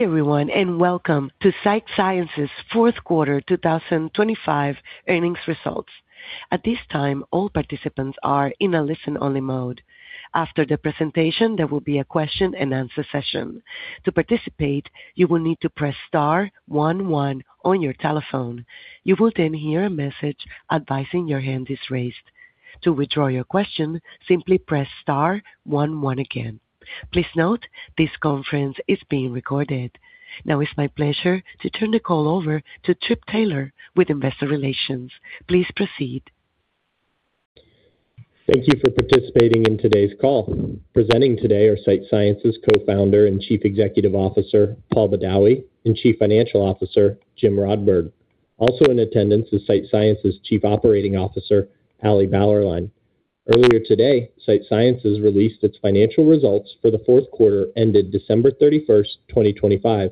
Everyone, welcome to Sight Sciences fourth quarter 2025 earnings results. At this time, all participants are in a listen-only mode. After the presentation, there will be a question-and-answer session. To participate, you will need to press star one one on your telephone. You will then hear a message advising your hand is raised. To withdraw your question, simply press star one one again. Please note this conference is being recorded. Now it's my pleasure to turn the call over to Trip Taylor with investor relations. Please proceed. Thank you for participating in today's call. Presenting today are Sight Sciences Co-founder and Chief Executive Officer, Paul Badawi, and Chief Financial Officer, Jim Rodberg. Also in attendance is Sight Sciences Chief Operating Officer, Ali Bauerlein. Earlier today, Sight Sciences released its financial results for the fourth quarter ended 31 December 2025,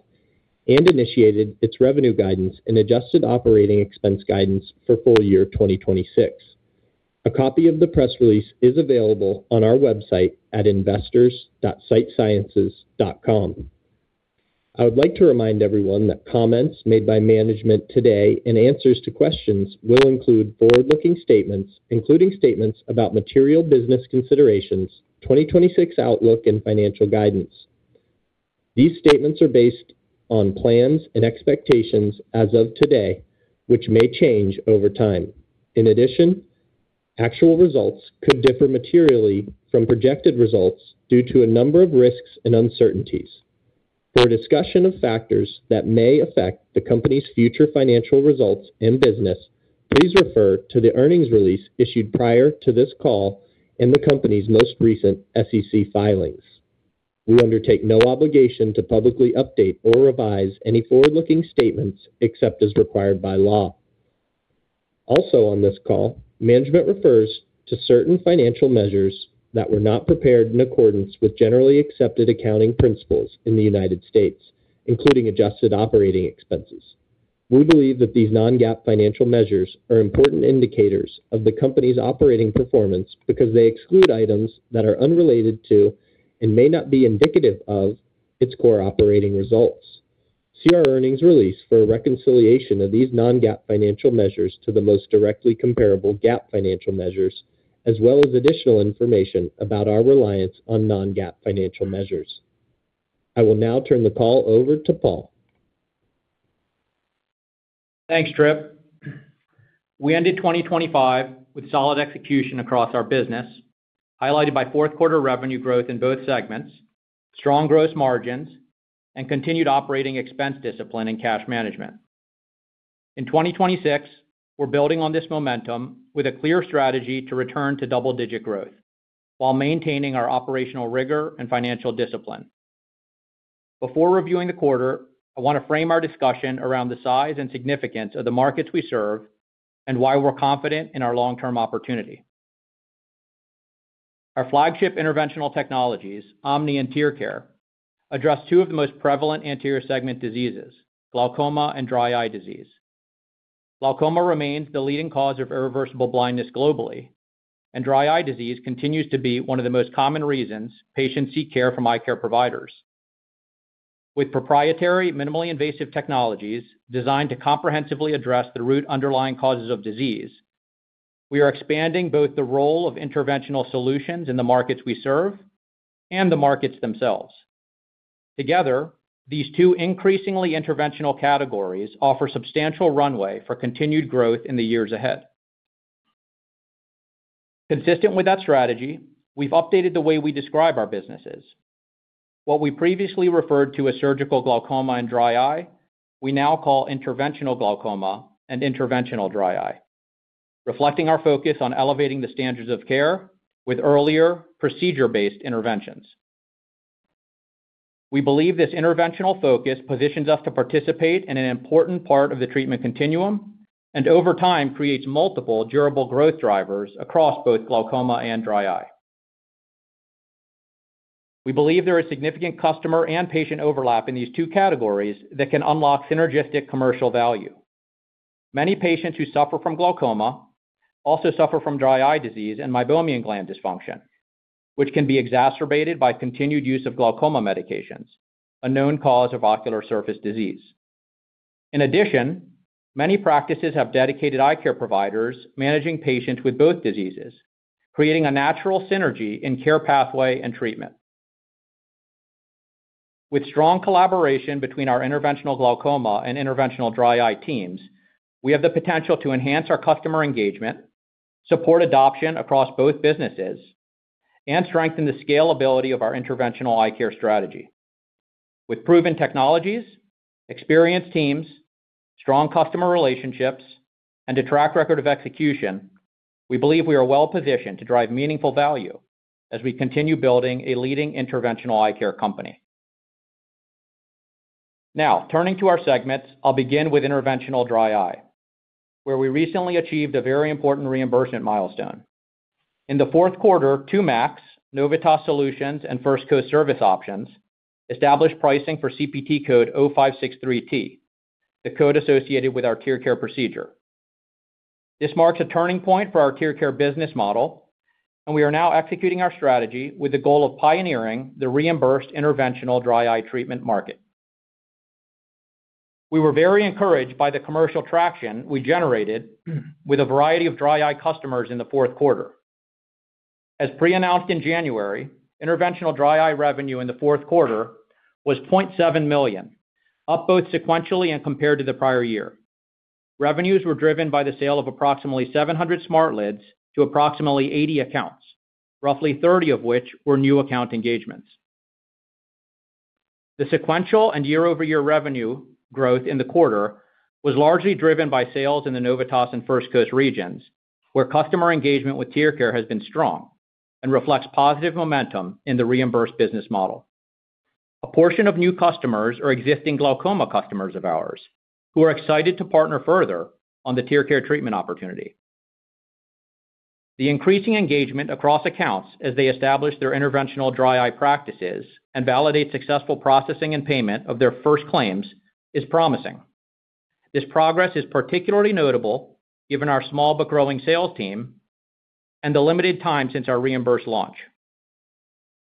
and initiated its revenue guidance and adjusted operating expense guidance for full year 2026. A copy of the press release is available on our website at investors.sightsciences.com. I would like to remind everyone that comments made by management today and answers to questions will include forward-looking statements, including statements about material business considerations, 2026 outlook, and financial guidance. These statements are based on plans and expectations as of today, which may change over time. In addition, actual results could differ materially from projected results due to a number of risks and uncertainties. For a discussion of factors that may affect the company's future financial results and business, please refer to the earnings release issued prior to this call and the company's most recent SEC filings. We undertake no obligation to publicly update or revise any forward-looking statements except as required by law. Also on this call, management refers to certain financial measures that were not prepared in accordance with generally accepted accounting principles in the United States, including adjusted operating expenses. We believe that these non-GAAP financial measures are important indicators of the company's operating performance because they exclude items that are unrelated to, and may not be indicative of, its core operating results. See our earnings release for a reconciliation of these non-GAAP financial measures to the most directly comparable GAAP financial measures, as well as additional information about our reliance on non-GAAP financial measures. I will now turn the call over to Paul. Thanks, Trip. We ended 2025 with solid execution across our business, highlighted by fourth quarter revenue growth in both segments, strong gross margins, and continued operating expense discipline and cash management. In 2026, we're building on this momentum with a clear strategy to return to double-digit growth while maintaining our operational rigor and financial discipline. Before reviewing the quarter, I want to frame our discussion around the size and significance of the markets we serve and why we're confident in our long-term opportunity. Our flagship interventional technologies, OMNI and TearCare, address two of the most prevalent anterior segment diseases, glaucoma and dry eye disease. Glaucoma remains the leading cause of irreversible blindness globally, and dry eye disease continues to be one of the most common reasons patients seek care from eye care providers. With proprietary, minimally invasive technologies designed to comprehensively address the root underlying causes of disease, we are expanding both the role of interventional solutions in the markets we serve and the markets themselves. Together, these two increasingly interventional categories offer substantial runway for continued growth in the years ahead. Consistent with that strategy, we've updated the way we describe our businesses. What we previously referred to as surgical glaucoma and dry eye, we now call interventional glaucoma and interventional dry eye, reflecting our focus on elevating the standards of care with earlier procedure-based interventions. We believe this interventional focus positions us to participate in an important part of the treatment continuum and over time creates multiple durable growth drivers across both glaucoma and dry eye. We believe there is significant customer and patient overlap in these two categories that can unlock synergistic commercial value. Many patients who suffer from glaucoma also suffer from dry eye disease and meibomian gland dysfunction, which can be exacerbated by continued use of glaucoma medications, a known cause of ocular surface disease. Many practices have dedicated eye care providers managing patients with both diseases, creating a natural synergy in care pathway and treatment. With strong collaboration between our interventional glaucoma and interventional dry eye teams, we have the potential to enhance our customer engagement, support adoption across both businesses, and strengthen the scalability of our interventional eye care strategy. Turning to our segments, I'll begin with interventional dry eye, where we recently achieved a very important reimbursement milestone. In the fourth quarter, CGS, Novitas Solutions, and First Coast Service Options established pricing for CPT code 0563T, the code associated with our TearCare procedure. This marks a turning point for our TearCare business model, we are now executing our strategy with the goal of pioneering the reimbursed interventional dry eye treatment market. We were very encouraged by the commercial traction we generated with a variety of dry eye customers in the fourth quarter. As pre-announced in January, interventional dry eye revenue in the fourth quarter was $0.7 million, up both sequentially and compared to the prior year. Revenues were driven by the sale of approximately 700 SmartLids to approximately 80 accounts, roughly 30 of which were new account engagements. The sequential and year-over-year revenue growth in the quarter was largely driven by sales in the Novitas and First Coast regions, where customer engagement with TearCare has been strong and reflects positive momentum in the reimbursed business model. A portion of new customers are existing glaucoma customers of ours who are excited to partner further on the TearCare treatment opportunity. The increasing engagement across accounts as they establish their interventional dry eye practices and validate successful processing and payment of their first claims is promising. This progress is particularly notable given our small but growing sales team and the limited time since our reimbursed launch.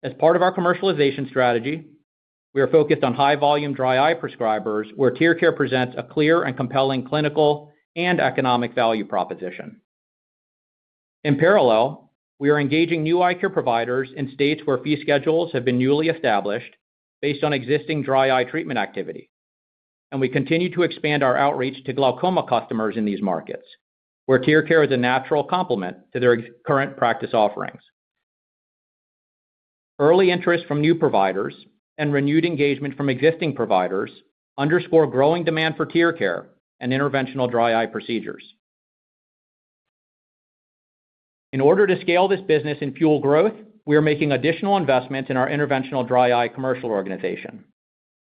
As part of our commercialization strategy, we are focused on high volume dry eye prescribers where TearCare presents a clear and compelling clinical and economic value proposition. We are engaging new eye care providers in states where fee schedules have been newly established based on existing dry eye treatment activity. We continue to expand our outreach to glaucoma customers in these markets, where TearCare is a natural complement to their current practice offerings. Early interest from new providers and renewed engagement from existing providers underscore growing demand for TearCare and interventional dry eye procedures. In order to scale this business and fuel growth, we are making additional investments in our interventional dry eye commercial organization.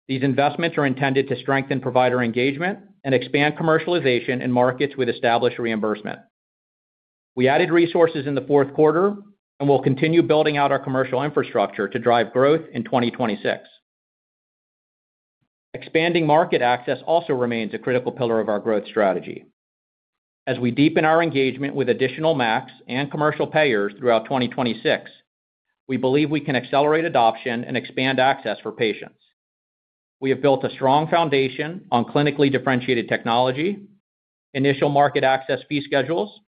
These investments are intended to strengthen provider engagement and expand commercialization in markets with established reimbursement. We added resources in the fourth quarter and will continue building out our commercial infrastructure to drive growth in 2026. Expanding market access also remains a critical pillar of our growth strategy. As we deepen our engagement with additional MACs and commercial payers throughout 2026, we believe we can accelerate adoption and expand access for patients. We have built a strong foundation on clinically differentiated technology, initial market access fee schedules,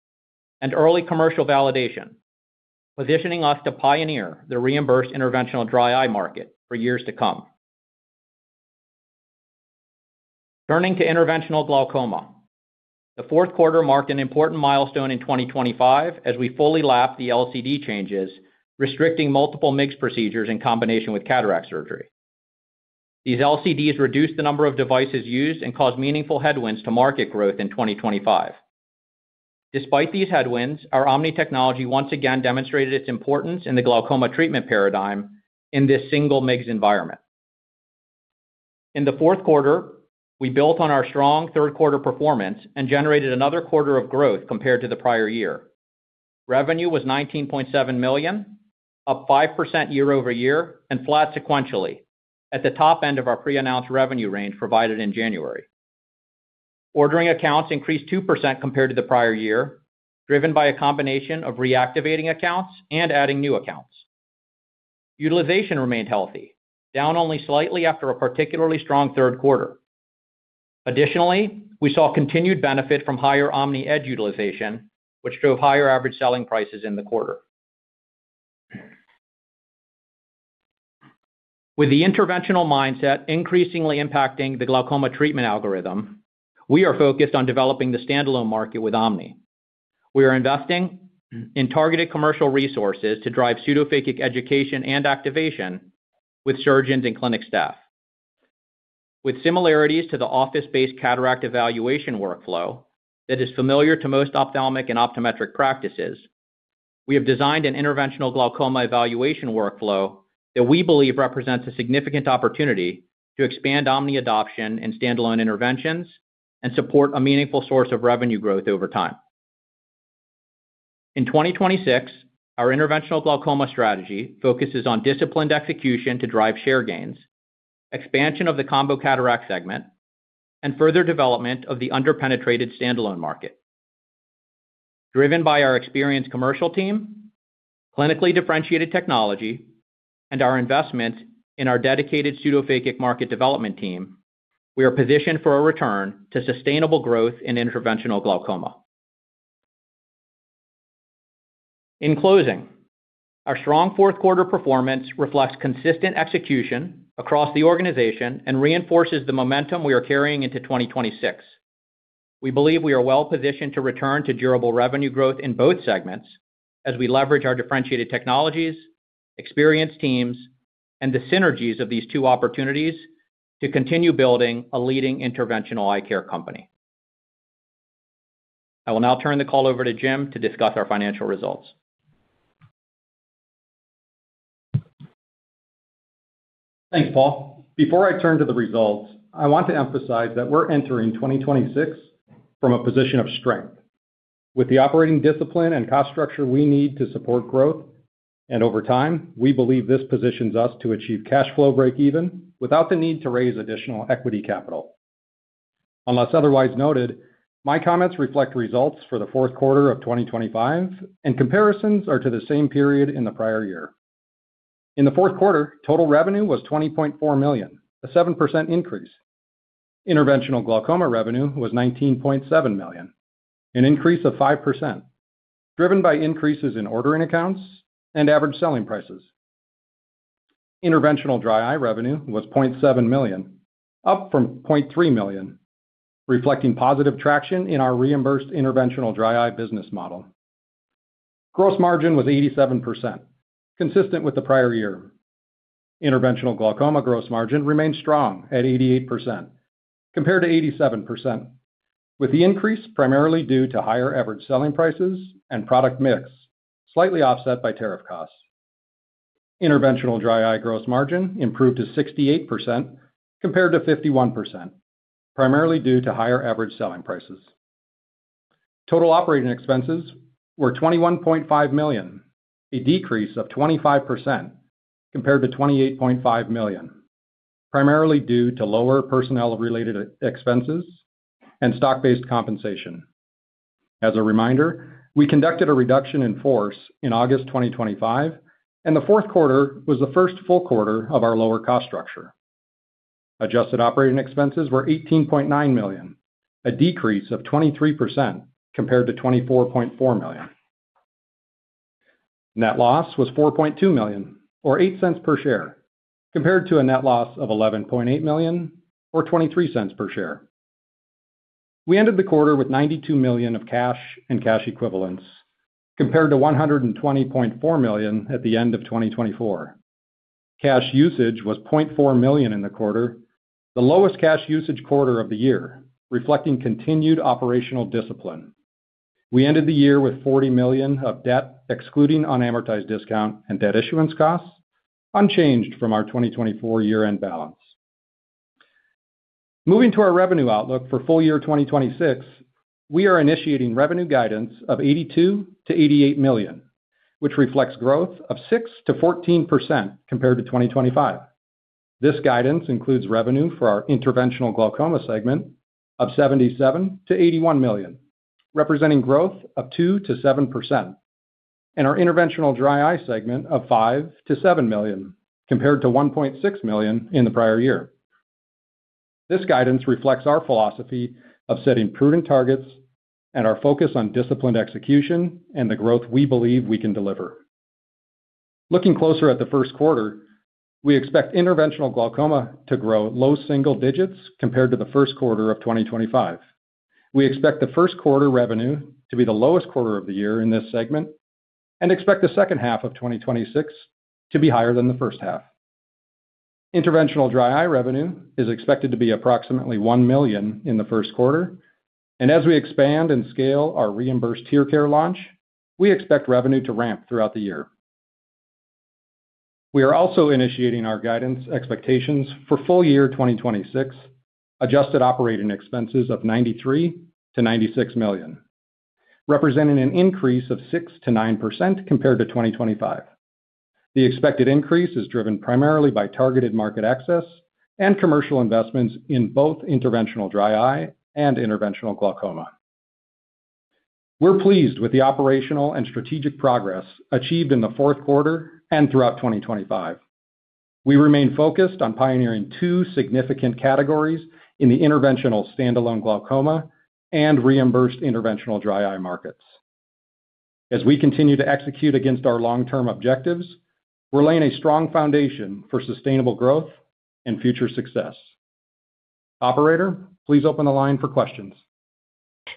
and early commercial validation, positioning us to pioneer the reimbursed interventional dry eye market for years to come. Turning to interventional glaucoma. The fourth quarter marked an important milestone in 2025 as we fully lapped the LCD changes, restricting multiple MIGS procedures in combination with cataract surgery. These LCDs reduced the number of devices used and caused meaningful headwinds to market growth in 2025. Despite these headwinds, our OMNI technology once again demonstrated its importance in the glaucoma treatment paradigm in this single MIGS environment. In the fourth quarter, we built on our strong third quarter performance and generated another quarter of growth compared to the prior year. Revenue was $19.7 million, up 5% year-over-year and flat sequentially at the top end of our pre-announced revenue range provided in January. Ordering accounts increased 2% compared to the prior year, driven by a combination of reactivating accounts and adding new accounts. Utilization remained healthy, down only slightly after a particularly strong third quarter. Additionally, we saw continued benefit from higher Omni Edge utilization, which drove higher average selling prices in the quarter. With the interventional mindset increasingly impacting the glaucoma treatment algorithm, we are focused on developing the standalone market with Omni. We are investing in targeted commercial resources to drive pseudophakic education and activation with surgeons and clinic staff. With similarities to the office-based cataract evaluation workflow that is familiar to most ophthalmic and optometric practices, we have designed an interventional glaucoma evaluation workflow that we believe represents a significant opportunity to expand OMNI adoption and standalone interventions and support a meaningful source of revenue growth over time. In 2026, our interventional glaucoma strategy focuses on disciplined execution to drive share gains, expansion of the combo cataract segment, and further development of the under-penetrated standalone market. Driven by our experienced commercial team, clinically differentiated technology, and our investment in our dedicated pseudophakic market development team, we are positioned for a return to sustainable growth in interventional glaucoma. In closing, our strong fourth quarter performance reflects consistent execution across the organization and reinforces the momentum we are carrying into 2026. We believe we are well-positioned to return to durable revenue growth in both segments as we leverage our differentiated technologies, experienced teams, and the synergies of these two opportunities to continue building a leading interventional eyecare company. I will now turn the call over to Jim to discuss our financial results. Thanks, Paul. Before I turn to the results, I want to emphasize that we're entering 2026 from a position of strength. With the operating discipline and cost structure we need to support growth. Over time, we believe this positions us to achieve cash flow breakeven without the need to raise additional equity capital. Unless otherwise noted, my comments reflect results for the fourth quarter of 2025, and comparisons are to the same period in the prior year. In the fourth quarter, total revenue was $20.4 million, a 7% increase. Interventional glaucoma revenue was $19.7 million, an increase of 5%, driven by increases in ordering accounts and average selling prices. Interventional dry eye revenue was $0.7 million, up from $0.3 million, reflecting positive traction in our reimbursed interventional dry eye business model. Gross margin was 87%, consistent with the prior year. Interventional glaucoma gross margin remained strong at 88% compared to 87%, with the increase primarily due to higher average selling prices and product mix, slightly offset by tariff costs. Interventional dry eye gross margin improved to 68% compared to 51%, primarily due to higher average selling prices. Total operating expenses were $21.5 million, a decrease of 25% compared to $28.5 million, primarily due to lower personnel related e-expenses and stock-based compensation. As a reminder, we conducted a reduction in force in August 2025, and the fourth quarter was the first full quarter of our lower cost structure. Adjusted operating expenses were $18.9 million, a decrease of 23% compared to $24.4 million. Net loss was $4.2 million or $0.08 per share, compared to a net loss of $11.8 million or $0.23 per share. We ended the quarter with $92 million of cash and cash equivalents compared to $120.4 million at the end of 2024. Cash usage was $0.4 million in the quarter, the lowest cash usage quarter of the year, reflecting continued operational discipline. We ended the year with $40 million of debt, excluding unamortized discount and debt issuance costs, unchanged from our 2024 year-end balance. Moving to our revenue outlook for full year 2026, we are initiating revenue guidance of $82 million-$88 million, which reflects growth of 6%-14% compared to 2025. This guidance includes revenue for our interventional glaucoma segment of $77 million-$81 million, representing growth of 2%-7%. In our interventional dry eye segment of $5 million-$7 million, compared to $1.6 million in the prior year. This guidance reflects our philosophy of setting prudent targets and our focus on disciplined execution and the growth we believe we can deliver. Looking closer at the first quarter, we expect interventional glaucoma to grow low single digits compared to the first quarter of 2025. We expect the first quarter revenue to be the lowest quarter of the year in this segment and expect the second half of 2026 to be higher than the first half. Interventional dry eye revenue is expected to be approximately $1 million in the first quarter. As we expand and scale our reimbursed TearCare launch, we expect revenue to ramp throughout the year. We are also initiating our guidance expectations for full year 2026 adjusted Operating Expenses of $93 million-$96 million, representing an increase of 6%-9% compared to 2025. The expected increase is driven primarily by targeted market access and commercial investments in both interventional dry eye and interventional glaucoma. We're pleased with the operational and strategic progress achieved in the fourth quarter and throughout 2025. We remain focused on pioneering two significant categories in the interventional standalone glaucoma and reimbursed interventional dry eye markets. As we continue to execute against our long-term objectives, we're laying a strong foundation for sustainable growth and future success. Operator, please open the line for questions.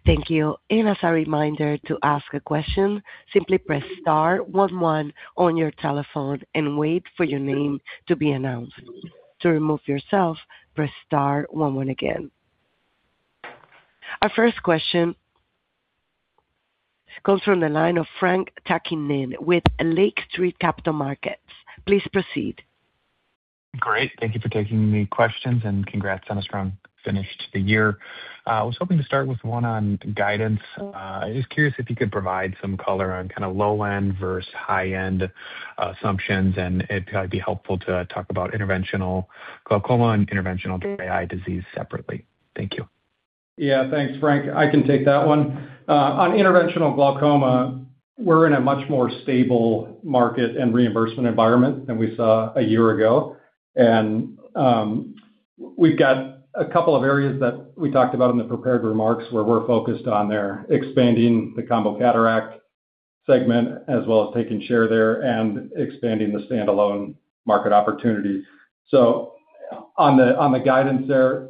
Thank you. As a reminder to ask a question, simply press star one one on your telephone and wait for your name to be announced. To remove yourself, press star one one again. Our first question comes from the line of Frank Takkinen with Lake Street Capital Markets. Please proceed. Great. Thank you for taking the questions, congrats on a strong finish to the year. I was hoping to start with one on guidance. I was curious if you could provide some color on kind of low-end versus high-end assumptions, and it'd be helpful to talk about interventional glaucoma and interventional dry eye disease separately. Thank you. Yeah. Thanks, Frank. I can take that one. On interventional glaucoma, we're in a much more stable market and reimbursement environment than we saw a year ago. We've got a couple of areas that we talked about in the prepared remarks where we're focused on there, expanding the combo cataract segment, as well as taking share there and expanding the standalone market opportunity. On the, on the guidance there,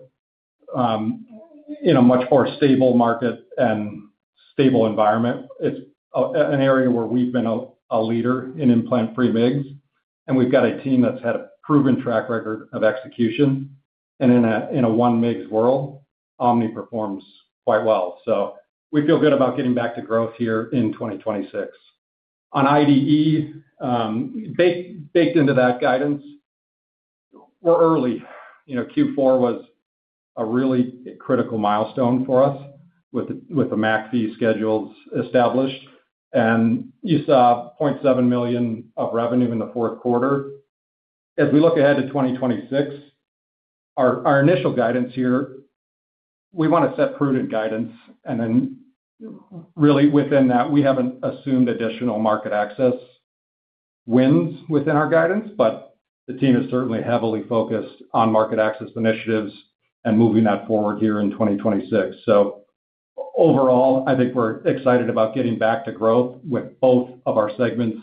in a much more stable market and stable environment, it's an area where we've been a leader in implant-free MIGS, and we've got a team that's had a proven track record of execution. In a 1 MIGS world, Omni performs quite well. We feel good about getting back to growth here in 2026. On IDE, baked into that guidance. We're early. You know, Q4 was a really critical milestone for us with the MAC fee schedules established. You saw $0.7 million of revenue in the fourth quarter. As we look ahead to 2026, our initial guidance here, we wanna set prudent guidance, really within that, we haven't assumed additional market access wins within our guidance. The team is certainly heavily focused on market access initiatives and moving that forward here in 2026. Overall, I think we're excited about getting back to growth with both of our segments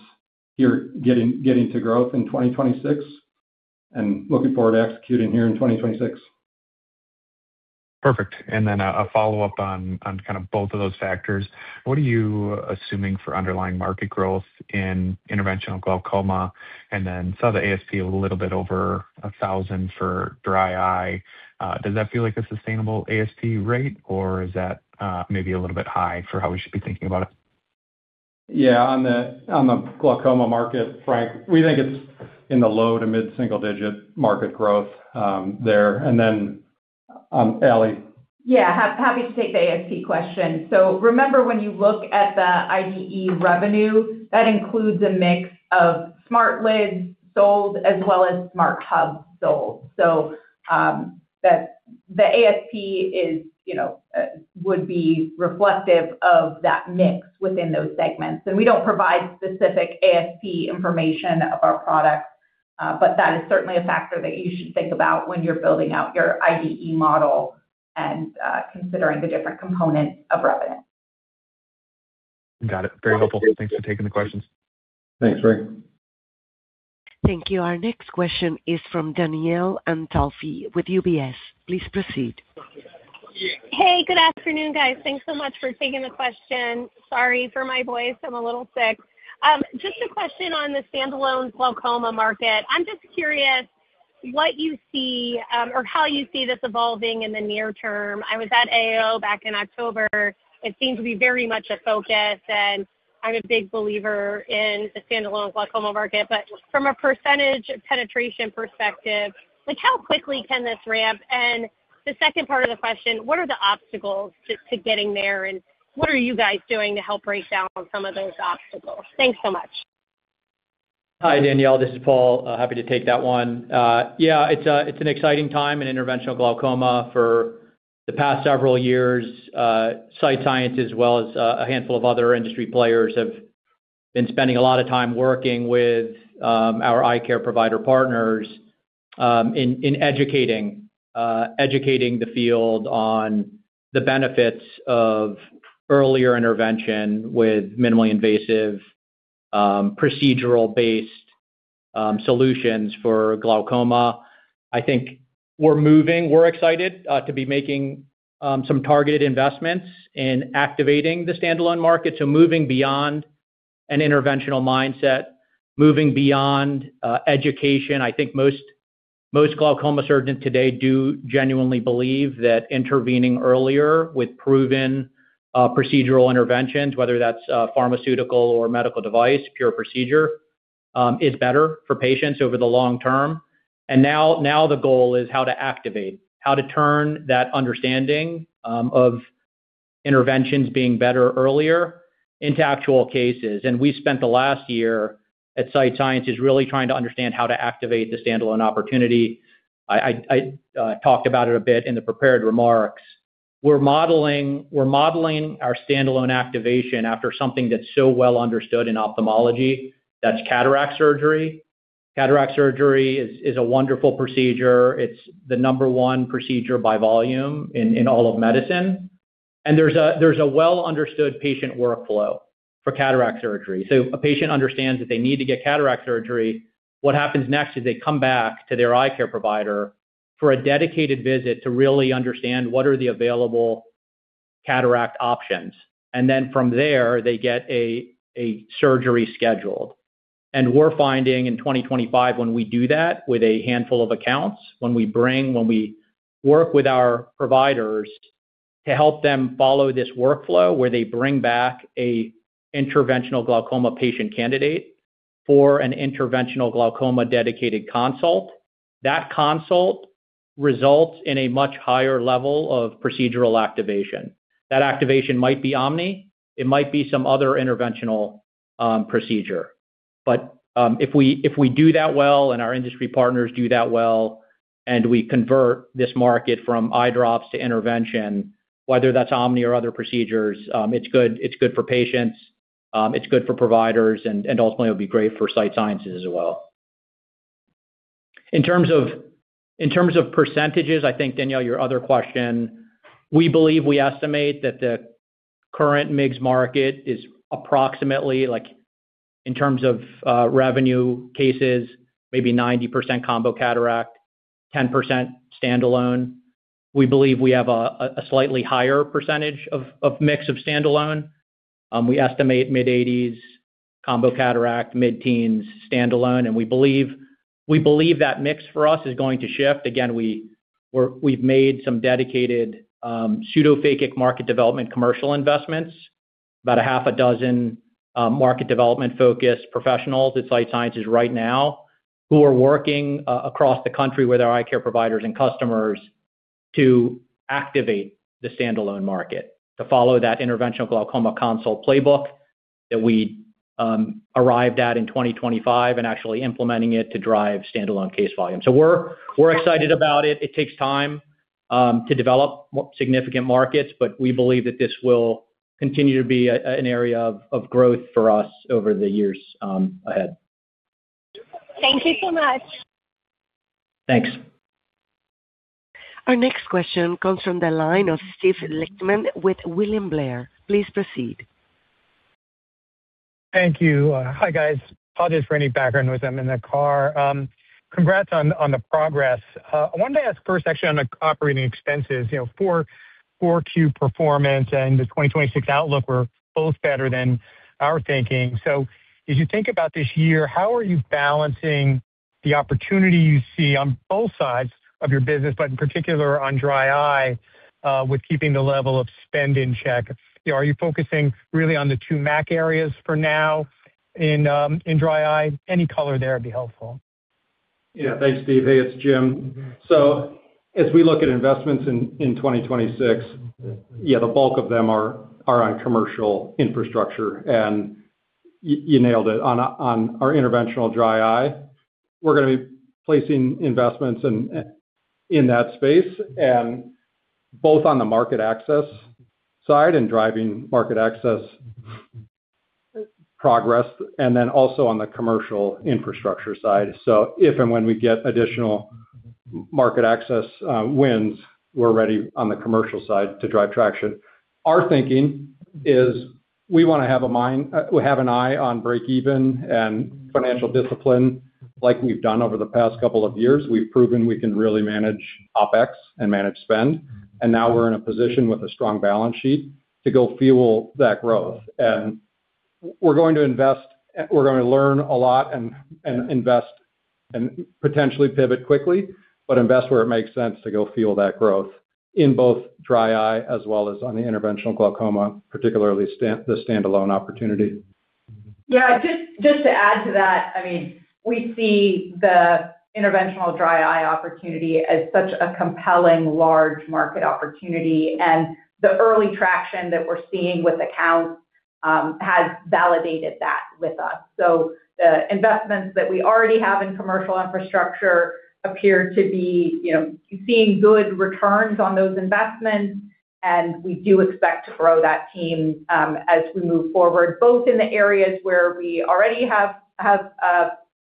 here getting to growth in 2026 and looking forward to executing here in 2026. Perfect. A follow-up on kind of both of those factors. What are you assuming for underlying market growth in interventional glaucoma? Saw the ASP a little bit over $1,000 for dry eye. Does that feel like a sustainable ASP rate, or is that maybe a little bit high for how we should be thinking about it? Yeah. On the glaucoma market, Frank, we think it's in the low to mid-single digit market growth, there. Ali? Yeah. Happy to take the ASP question. Remember, when you look at the IDE revenue, that includes a mix of SmartLids sold as well as SmartHub sold. The ASP is, you know, would be reflective of that mix within those segments. We don't provide specific ASP information of our products, but that is certainly a factor that you should think about when you're building out your IDE model and considering the different components of revenue. Got it. Very helpful. Thanks for taking the questions. Thanks, Frank. Thank you. Our next question is from Danielle Antalffy with UBS. Please proceed. Good afternoon, guys. Thanks so much for taking the question. Sorry for my voice. I'm a little sick. Just a question on the standalone glaucoma market. I'm just curious what you see, or how you see this evolving in the near term. I was at AAO back in October. It seemed to be very much a focus, and I'm a big believer in the standalone glaucoma market. From a % penetration perspective, like, how quickly can this ramp? The second part of the question, what are the obstacles to getting there, and what are you guys doing to help break down some of those obstacles? Thanks so much. Hi, Danielle. This is Paul. Happy to take that one. Yeah, it's an exciting time in interventional glaucoma. For the past several years, Sight Sciences as well as a handful of other industry players have been spending a lot of time working with our eye care provider partners in educating the field on the benefits of earlier intervention with minimally invasive procedural-based solutions for glaucoma. I think we're excited to be making some targeted investments in activating the standalone market, so moving beyond an interventional mindset, moving beyond education. I think most glaucoma surgeons today do genuinely believe that intervening earlier with proven procedural interventions, whether that's pharmaceutical or medical device, pure procedure, is better for patients over the long term. Now, now the goal is how to activate, how to turn that understanding of interventions being better earlier into actual cases. We spent the last year at Sight Sciences really trying to understand how to activate the standalone opportunity. I talked about it a bit in the prepared remarks. We're modeling our standalone activation after something that's so well understood in ophthalmology, that's cataract surgery. Cataract surgery is a wonderful procedure. It's the number one procedure by volume in all of medicine. There's a well-understood patient workflow for cataract surgery. A patient understands that they need to get cataract surgery. What happens next is they come back to their eye care provider for a dedicated visit to really understand what are the available cataract options. From there, they get a surgery scheduled. We're finding in 2025, when we do that with a handful of accounts, when we work with our providers to help them follow this workflow, where they bring back a interventional glaucoma patient candidate for an interventional glaucoma dedicated consult, that consult results in a much higher level of procedural activation. That activation might be Omni, it might be some other interventional procedure. If we do that well and our industry partners do that well, and we convert this market from eye drops to intervention, whether that's Omni or other procedures, it's good. It's good for patients, it's good for providers, and ultimately, it'll be great for Sight Sciences as well. In terms of percentages, I think, Danielle Antalffy, your other question, we estimate that the current MIGS market is approximately like, in terms of revenue cases, maybe 90% combo cataract, 10% standalone. We believe we have a slightly higher percentage of mix of standalone. We estimate mid-80s combo cataract, mid-teens standalone. We believe that mix for us is going to shift. Again, we've made some dedicated pseudophakic market development commercial investments. About a half a dozen market development-focused professionals at Sight Sciences right now who are working across the country with our eye care providers and customers to activate the standalone market. To follow that interventional glaucoma consult playbook that we arrived at in 2025 and actually implementing it to drive standalone case volume. We're excited about it. It takes time to develop significant markets, but we believe that this will continue to be an area of growth for us over the years ahead. Thank you so much. Thanks. Our next question comes from the line of Steve Lichtman with William Blair. Please proceed. Thank you. Hi, guys. Apologies for any background noise. I'm in the car. Congrats on the progress. I wanted to ask first actually on the operating expenses. You know, 4Q performance and the 2026 outlook were both better than our thinking. As you think about this year, how are you balancing the opportunity you see on both sides of your business, but in particular on dry eye, with keeping the level of spend in check? You know, are you focusing really on the two MAC areas for now in dry eye? Any color there would be helpful. Thanks, Steve. Hey, it's Jim. As we look at investments in 2026, the bulk of them are on commercial infrastructure. You nailed it. On our interventional dry eye, we're gonna be placing investments in that space and both on the market access side and driving market access progress, and then also on the commercial infrastructure side. If and when we get additional market access wins, we're ready on the commercial side to drive traction. Our thinking is we wanna have an eye on break-even and financial discipline like we've done over the past couple of years. We've proven we can really manage OpEx and manage spend, and now we're in a position with a strong balance sheet to go fuel that growth. We're going to invest. We're gonna learn a lot and invest and potentially pivot quickly, but invest where it makes sense to go fuel that growth in both dry eye as well as on the interventional glaucoma, particularly the standalone opportunity. Yeah. Just to add to that, I mean, we see the interventional dry eye opportunity as such a compelling large market opportunity, the early traction that we're seeing with accounts has validated that with us. The investments that we already have in commercial infrastructure appear to be, you know, seeing good returns on those investments. We do expect to grow that team as we move forward, both in the areas where we already have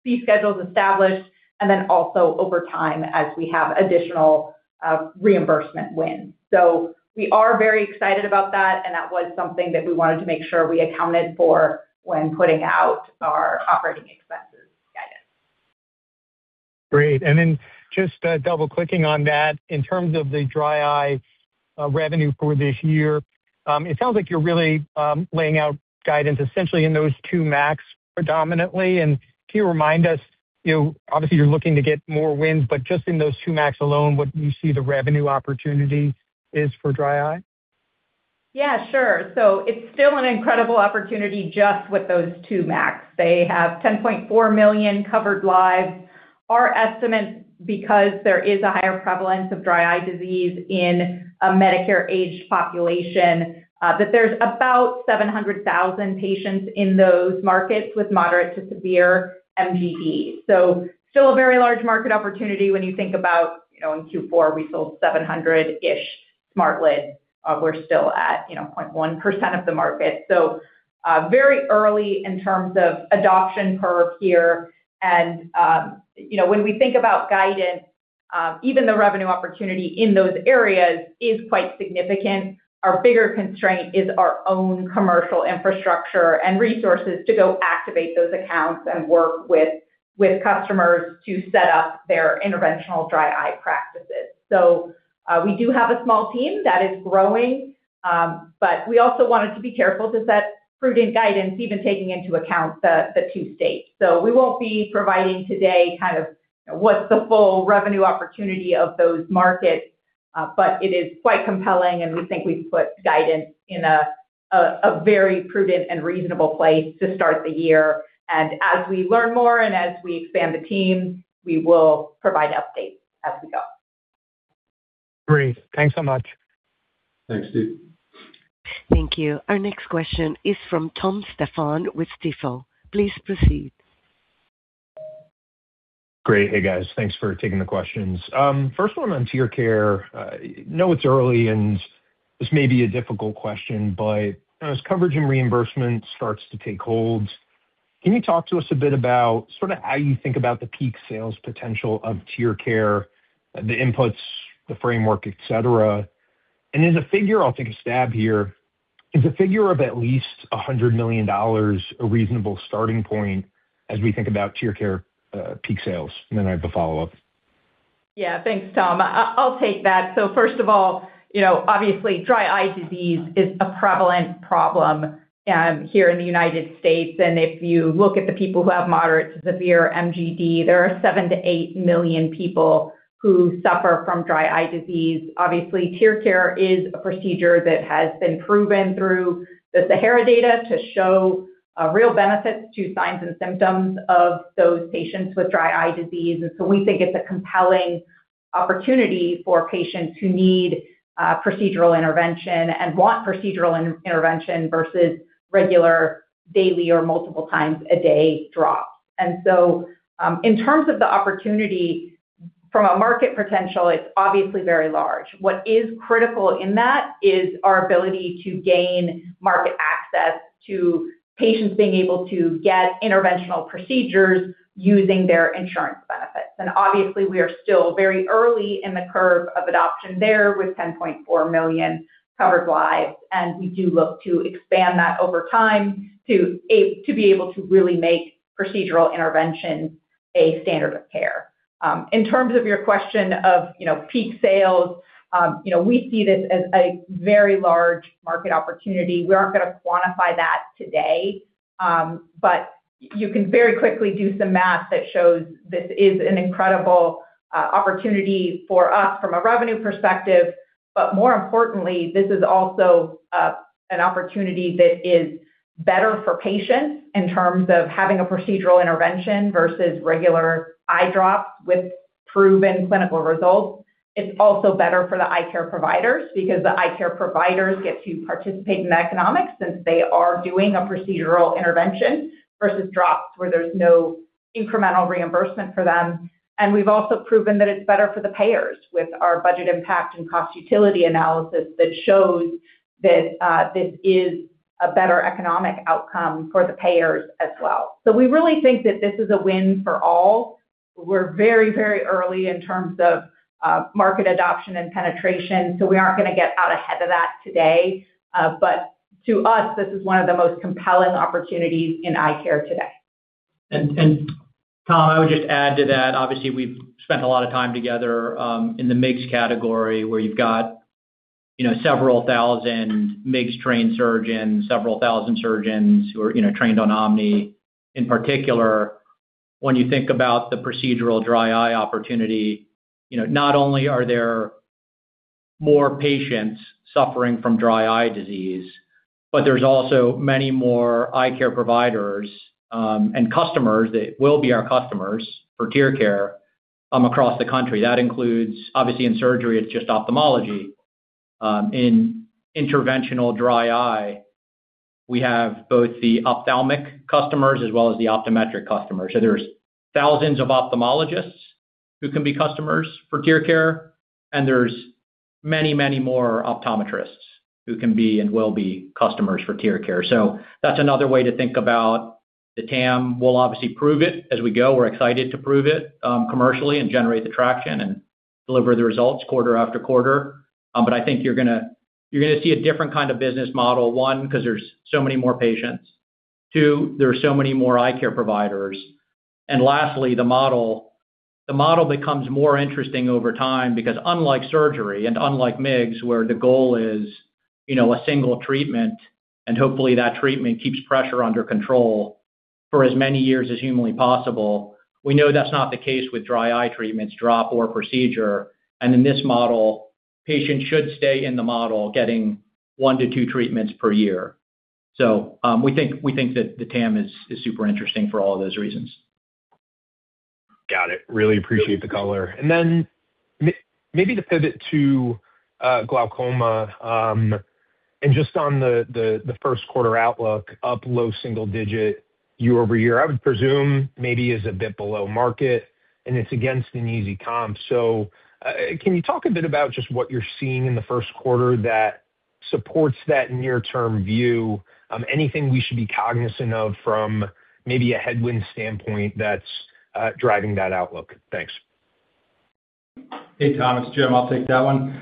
fee schedules established, and then also over time as we have additional reimbursement wins. We are very excited about that, and that was something that we wanted to make sure we accounted for when putting out our operating expenses guidance. Great. Then just double-clicking on that, in terms of the dry eye revenue for this year, it sounds like you're really laying out guidance essentially in those two MACs predominantly. Can you remind us, you know, obviously you're looking to get more wins, but just in those two MACs alone, what you see the revenue opportunity is for dry eye? Yeah, sure. It's still an incredible opportunity just with those two MACs. They have 10.4 million covered lives. Our estimate, because there is a higher prevalence of dry eye disease in a Medicare-aged population, that there's about 700,000 patients in those markets with moderate to severe MGD. Still a very large market opportunity when you think about, you know, in Q4 we sold 700-ish Smart Lid. We're still at, you know, 0.1% of the market. Very early in terms of adoption curve here. You know, when we think about guidance, even the revenue opportunity in those areas is quite significant. Our bigger constraint is our own commercial infrastructure and resources to go activate those accounts and work with customers to set up their interventional dry eye practices. We do have a small team that is growing, but we also wanted to be careful to set prudent guidance, even taking into account the two states. We won't be providing today kind of what's the full revenue opportunity of those markets, but it is quite compelling, and we think we've put guidance in a very prudent and reasonable place to start the year. As we learn more and as we expand the team, we will provide updates as we go. Great. Thanks so much. Thanks, Steve. Thank you. Our next question is from Thomas Stephan with Stifel. Please proceed. Great. Hey, guys. Thanks for taking the questions. First one on TearCare. Know it's early, and this may be a difficult question, but as coverage and reimbursement starts to take hold, can you talk to us a bit about sort of how you think about the peak sales potential of TearCare, the inputs, the framework, et cetera? Is the figure, I'll take a stab here, is the figure of at least $100 million a reasonable starting point as we think about TearCare, peak sales? I have a follow-up. Thanks, Thomas Stephan. I'll take that. First of all, you know, obviously dry eye disease is a prevalent problem here in the United States. If you look at the people who have moderate to severe MGD, there are 7 million-8 million people who suffer from dry eye disease. Obviously, TearCare is a procedure that has been proven through the Sahara data to show real benefits to signs and symptoms of those patients with dry eye disease. We think it's a compelling opportunity for patients who need procedural intervention and want procedural intervention versus regular daily or multiple times a day drops. In terms of the opportunity from a market potential, it's obviously very large. What is critical in that is our ability to gain market access to patients being able to get interventional procedures using their insurance benefits. Obviously, we are still very early in the curve of adoption there with 10.4 million covered lives, and we do look to expand that over time to be able to really make procedural intervention a standard of care. In terms of your question of, you know, peak sales, you know, we see this as a very large market opportunity. We aren't gonna quantify that today, but you can very quickly do some math that shows this is an incredible opportunity for us from a revenue perspective. More importantly, this is also an opportunity that is better for patients in terms of having a procedural intervention versus regular eye drops with proven clinical results. It's also better for the eye care providers because the eye care providers get to participate in the economics since they are doing a procedural intervention versus drops where there's no incremental reimbursement for them. We've also proven that it's better for the payers with our budget impact and cost utility analysis that shows that this is a better economic outcome for the payers as well. We really think that this is a win for all. We're very, very early in terms of market adoption and penetration, so we aren't gonna get out ahead of that today. To us, this is one of the most compelling opportunities in eye care today. Tom, I would just add to that. Obviously, we've spent a lot of time together, in the MIGS category, where you've got, you know, several thousand MIGS-trained surgeons, several thousand surgeons who are, you know, trained on OMNI. In particular, when you think about the procedural dry eye opportunity, you know, not only are there more patients suffering from dry eye disease, but there's also many more eye care providers, and customers that will be our customers for TearCare across the country. That includes, obviously in surgery, it's just ophthalmology. In interventional dry eye, we have both the ophthalmic customers as well as the optometric customers. There's thousands of ophthalmologists who can be customers for TearCare, and there's many, many more optometrists who can be and will be customers for TearCare. That's another way to think about the TAM. We'll obviously prove it as we go. We're excited to prove it commercially and generate the traction and deliver the results quarter after quarter. I think you're gonna see a different kind of business model. One, 'cause there's so many more patients. Two, there are so many more eye care providers. Lastly, the model becomes more interesting over time because unlike surgery and unlike MIGS, where the goal is, you know, a single treatment, and hopefully that treatment keeps pressure under control for as many years as humanly possible. We know that's not the case with dry eye treatments, drop or procedure. In this model, patients should stay in the model getting one to two treatments per year. We think that the TAM is super interesting for all of those reasons. Got it. Really appreciate the color. Maybe to pivot to glaucoma, and just on the first quarter outlook up low single-digit year-over-year. I would presume maybe is a bit below market, and it's against an easy comp. Can you talk a bit about just what you're seeing in the first quarter that supports that near term view? Anything we should be cognizant of from maybe a headwind standpoint that's driving that outlook? Thanks. Hey, Tom, it's Jim. I'll take that one.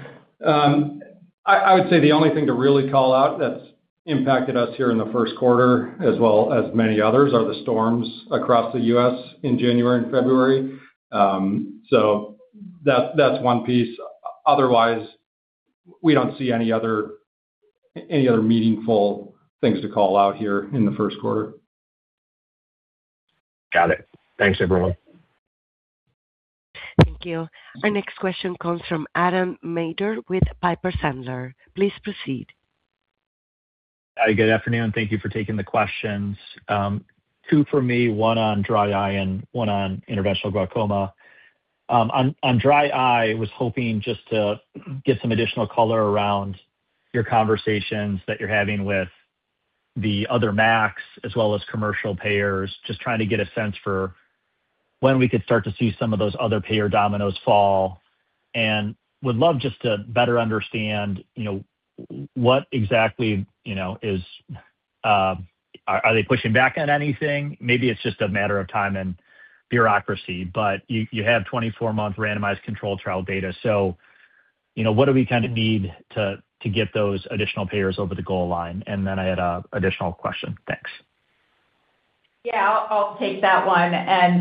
I would say the only thing to really call out that's impacted us here in the 1st quarter, as well as many others, are the storms across the U.S. in January and February. That's one piece. Otherwise, we don't see any other meaningful things to call out here in the first quarter. Got it. Thanks, everyone. Thank you. Our next question comes from Adam Maeder with Piper Sandler. Please proceed. Hi, good afternoon. Thank you for taking the questions. Two for me, one on dry eye and one on interventional glaucoma. On dry eye, I was hoping just to get some additional color around your conversations that you're having with the other MACs as well as commercial payers, just trying to get a sense for when we could start to see some of those other payer dominoes fall. Would love just to better understand, you know, what exactly, you know, Are they pushing back on anything? Maybe it's just a matter of time and bureaucracy, you have 24-month randomized control trial data. You know, what do we kinda need to get those additional payers over the goal line? I had a additional question. Thanks. Yeah. I'll take that one.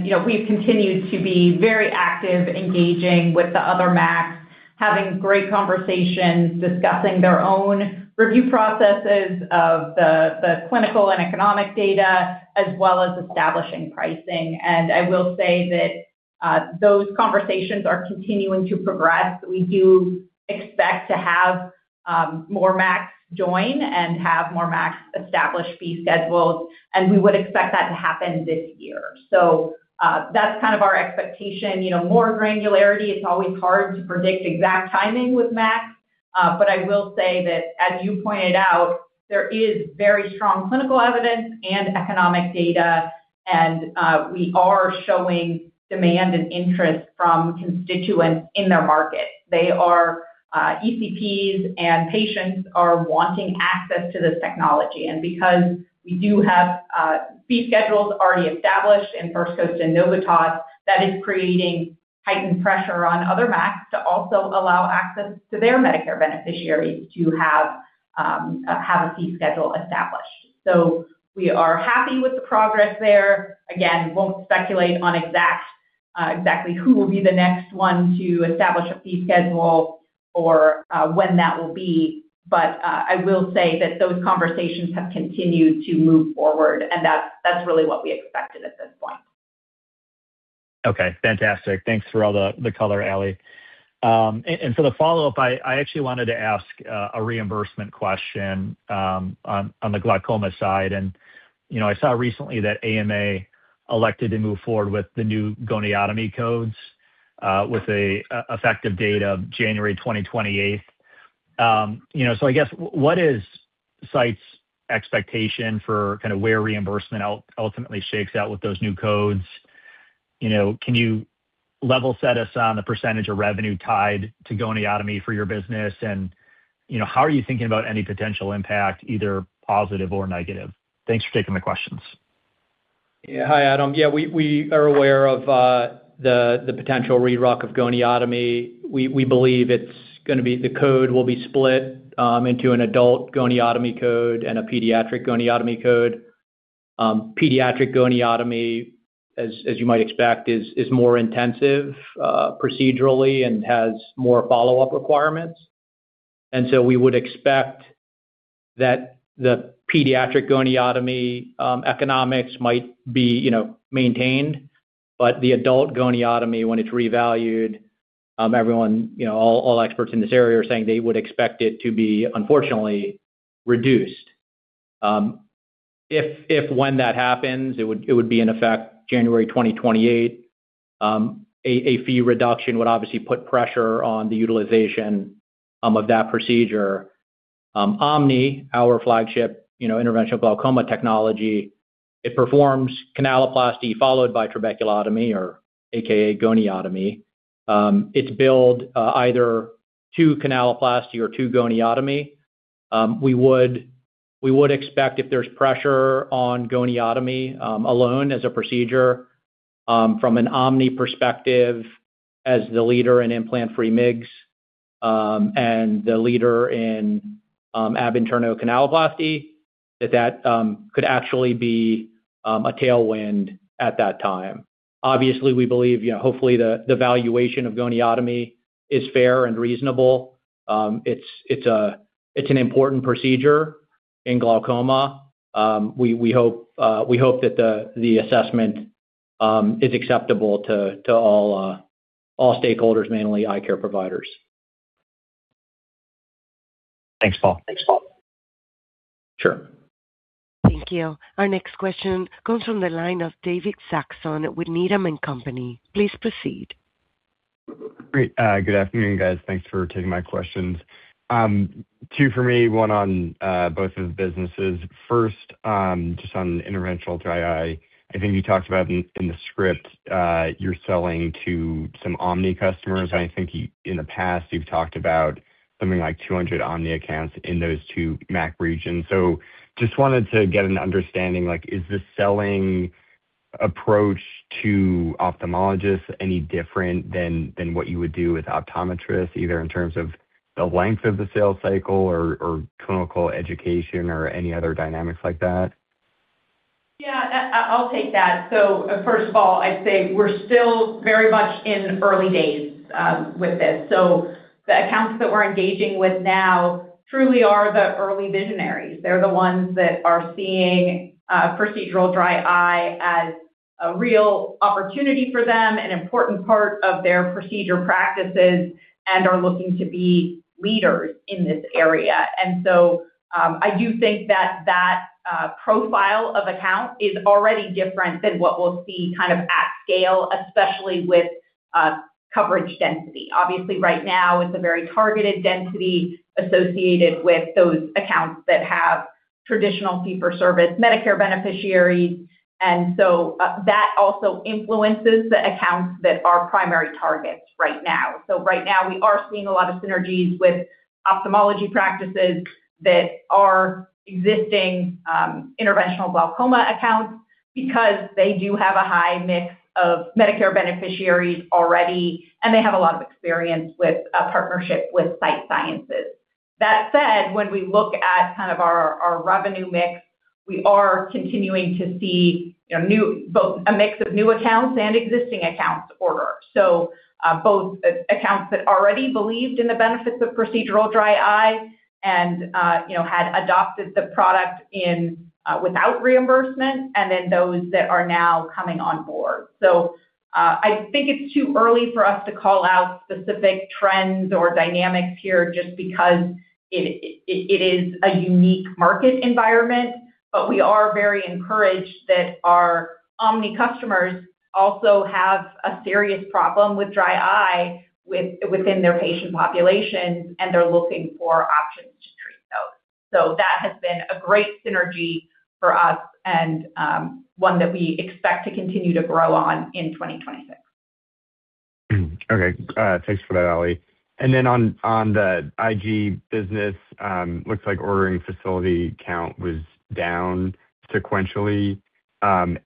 You know, we've continued to be very active, engaging with the other MACs. Having great conversations, discussing their own review processes of the clinical and economic data, as well as establishing pricing. I will say that those conversations are continuing to progress. We do expect to have more MACs join and have more MACs establish fee schedules, and we would expect that to happen this year. That's kind of our expectation. You know, more granularity, it's always hard to predict exact timing with MACs. I will say that, as you pointed out, there is very strong clinical evidence and economic data, and we are showing demand and interest from constituents in their market. They are ECPs and patients are wanting access to this technology. Because we do have fee schedules already established in First Coast and Novitas, that is creating heightened pressure on other MACs to also allow access to their Medicare beneficiaries to have a fee schedule established. We are happy with the progress there. Again, won't speculate on exact exactly who will be the next one to establish a fee schedule or when that will be. I will say that those conversations have continued to move forward, and that's really what we expected at this point. Okay, fantastic. Thanks for all the color, Ali. And for the follow-up, I actually wanted to ask a reimbursement question on the glaucoma side. You know, I saw recently that AMA elected to move forward with the new goniotomy codes with a effective date of January 2028. You know, I guess what is Sight's expectation for kinda where reimbursement ultimately shakes out with those new codes? You know, can you level set us on the percentage of revenue tied to goniotomy for your business? You know, how are you thinking about any potential impact, either positive or negative? Thanks for taking the questions. Hi, Adam. We are aware of the potential RUC of goniotomy. We believe the code will be split into an adult goniotomy code and a pediatric goniotomy code. Pediatric goniotomy, as you might expect, is more intensive procedurally and has more follow-up requirements. We would expect that the pediatric goniotomy economics might be, you know, maintained. The adult goniotomy, when it's revalued, everyone, you know, all experts in this area are saying they would expect it to be, unfortunately, reduced. If when that happens, it would be in effect January 2028. A fee reduction would obviously put pressure on the utilization of that procedure. OMNI, our flagship, you know, interventional glaucoma technology, it performs canaloplasty followed by trabeculotomy or aka goniotomy. It's billed either to canaloplasty or to goniotomy. We would expect if there's pressure on goniotomy alone as a procedure from an OMNI perspective as the leader in implant-free MIGS and the leader in ab interno canaloplasty, that could actually be a tailwind at that time. Obviously, we believe, you know, hopefully, the valuation of goniotomy is fair and reasonable. It's an important procedure in glaucoma. We hope that the assessment is acceptable to all stakeholders, mainly eye care providers. Thanks, Paul. Sure. Thank you. Our next question comes from the line of David Saxon with Needham & Company. Please proceed. Great. Good afternoon, guys. Thanks for taking my questions. Two for me, one on both of the businesses. First, just on interventional dry eye. I think you talked about in the script, you're selling to some OMNI customers, and I think in the past you've talked about something like 200 OMNI accounts in those two MAC regions. Just wanted to get an understanding, like, is the selling approach to ophthalmologists any different than what you would do with optometrists, either in terms of the length of the sales cycle or clinical education or any other dynamics like that? Yeah. I'll take that. First of all, I'd say we're still very much in early days with this. The accounts that we're engaging with now truly are the early visionaries. They're the ones that are seeing procedural dry eye as a real opportunity for them, an important part of their procedure practices, and are looking to be leaders in this area. I do think that that profile of account is already different than what we'll see kind of at scale, especially with coverage density. Obviously, right now it's a very targeted density associated with those accounts that have traditional fee for service Medicare beneficiaries. That also influences the accounts that are primary targets right now. Right now we are seeing a lot of synergies with ophthalmology practices that are existing interventional glaucoma accounts because they do have a high mix of Medicare beneficiaries already, and they have a lot of experience with a partnership with Sight Sciences. That said, when we look at kind of our revenue mix, we are continuing to see, you know, both a mix of new accounts and existing accounts order. Both accounts that already believed in the benefits of procedural dry eye and, you know, had adopted the product in without reimbursement and then those that are now coming on board. I think it's too early for us to call out specific trends or dynamics here just because it is a unique market environment. We are very encouraged that our OMNI customers also have a serious problem with dry eye within their patient population, and they're looking for options to treat those. That has been a great synergy for us and, one that we expect to continue to grow on in 2026. Okay. Thanks for that, Ali. On the IG business, looks like ordering facility count was down sequentially.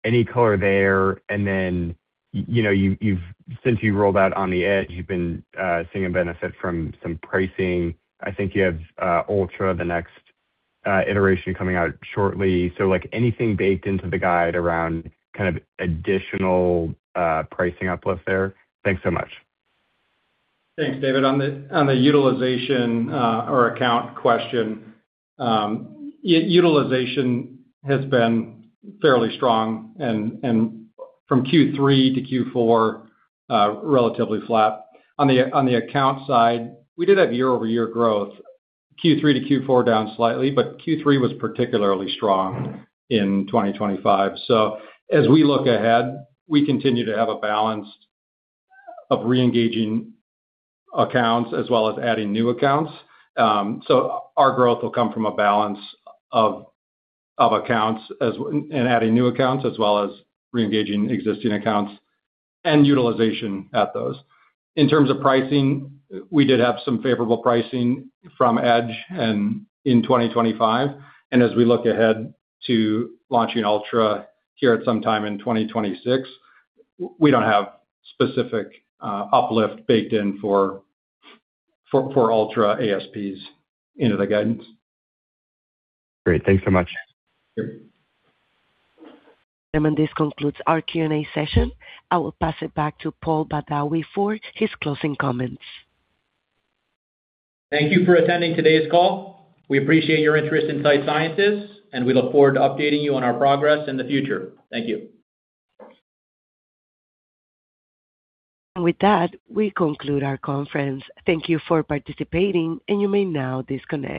Any color there? You know, you've since you rolled out on the Edge, you've been seeing a benefit from some pricing. I think you have Ultra, the next iteration coming out shortly. Like, anything baked into the guide around kind of additional pricing uplift there? Thanks so much. Thanks, David. On the utilization or account question, utilization has been fairly strong and from Q3 to Q4 relatively flat. On the account side, we did have year-over-year growth. Q3 to Q4 down slightly, Q3 was particularly strong in 2025. As we look ahead, we continue to have a balance of re-engaging accounts as well as adding new accounts. Our growth will come from a balance of accounts in adding new accounts as well as re-engaging existing accounts and utilization at those. In terms of pricing, we did have some favorable pricing from Edge in 2025. As we look ahead to launching Ultra here at some time in 2026, we don't have specific uplift baked in for Ultra ASPs into the guidance. Great. Thanks so much. This concludes our Q&A session. I will pass it back to Paul Badawi for his closing comments. Thank you for attending today's call. We appreciate your interest in Sight Sciences, and we look forward to updating you on our progress in the future. Thank you. With that, we conclude our conference. Thank you for participating, and you may now disconnect.